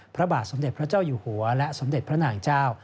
พระบาทสมเด็จพระเจ้าอยู่หัวและสมเด็จพระนางเจ้า